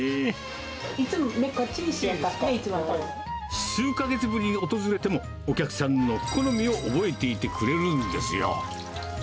いつもね、こっちにしようか数か月ぶりに訪れても、お客さんの好みを覚えていてくれるんですよ。